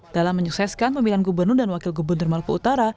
dalam menyukseskan pemilihan gubernur dan wakil gubernur maluku utara